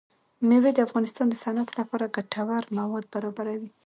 مېوې د افغانستان د صنعت لپاره ګټور مواد برابروي.